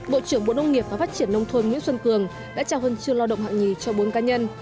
bộ trưởng bộ nông nghiệp và phát triển nông thôn nguyễn xuân cường đã trao hân chương lo động hạng hai cho bốn cá nhân